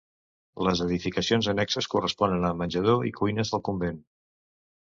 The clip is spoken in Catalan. Les edificacions annexes corresponen a menjadors i cuines del convent.